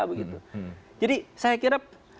jadi saya kira bpip ini harus berjalan dengan baik